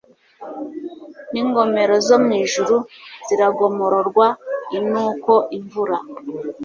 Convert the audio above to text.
n ingomero zo mu ijuru ziragomororwa i Nuko imvura